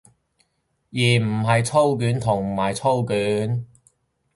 而唔係操卷同埋操卷